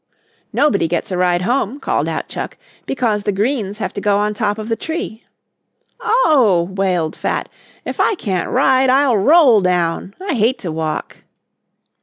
"Nobody gets a ride home," called out Chuck, "because the greens have to go on top of the tree." "Oh!" wailed Fat, "if I can't ride I'll roll down. I hate to walk."